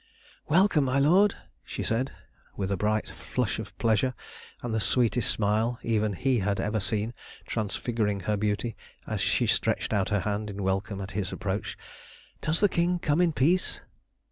"Welcome, my lord!" she said, with a bright flush of pleasure and the sweetest smile even he had ever seen transfiguring her beauty, as she stretched out her hand in welcome at his approach. "Does the King come in peace?"